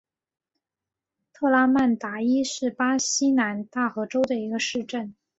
特拉曼达伊是巴西南大河州的一个市镇。